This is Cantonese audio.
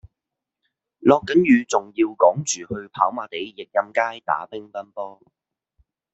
落緊雨仲要趕住去跑馬地奕蔭街打乒乓波